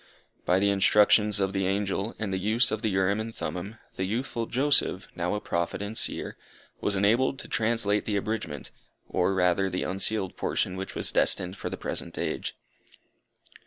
By the instructions of the angel, and the use of the Urim and Thummim, the youthful Joseph, now a Prophet and Seer, was enabled to translate the abridgment, or rather the unsealed portion which was destined for the present age.